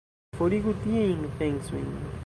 Forigu tiajn pensojn!